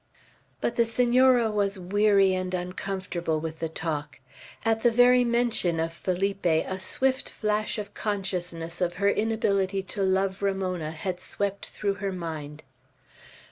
But the Senora was weary and uncomfortable with the talk. At the very mention of Felipe, a swift flash of consciousness of her inability to love Ramona had swept through her mind.